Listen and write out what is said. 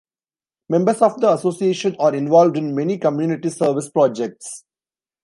Members of the Association are involved in many community service projects.